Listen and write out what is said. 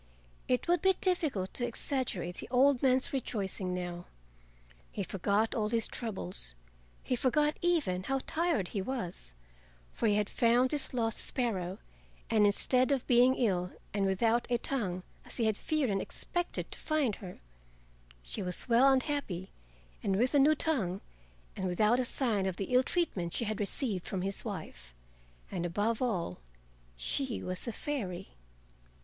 It would be difficult to exaggerate the old man's rejoicing now. He forgot all his troubles, he forgot even how tired he was, for he had found his lost sparrow, and instead of being ill and without a tongue as he had feared and expected to find her, she was well and happy and with a new tongue, and without a sign of the ill treatment she had received from his wife. And above all she was a fairy.